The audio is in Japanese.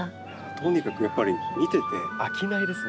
とにかくやっぱり見てて飽きないですね